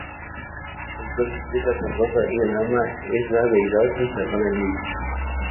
El cuerpo es la carroza y el alma es la deidad instalada en ella.